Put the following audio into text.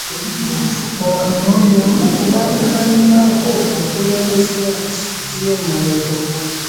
Ono y'omu ku baavuganyaako ku bukulembeze bwa disitulikiti y'e Moroto.